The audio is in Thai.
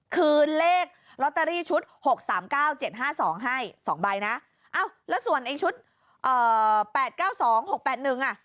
คืนเลขล็อตเตอรี่ชุด๖๓๙๗๕๒ให้๒ใบนะแล้วส่วนไอ้ชุด๘๙๒๖๘๑อ่ะ